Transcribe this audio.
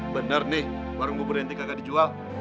bener nih warung bubur ente gak dijual